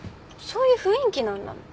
そういう雰囲気なんだもん。